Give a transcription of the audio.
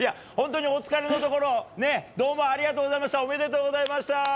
本当にお疲れのところどうもありがとうございました。